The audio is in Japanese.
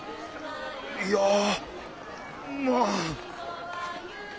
いやまあ。